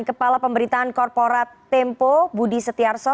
kepala pemberitaan korporat tempo budi setiarso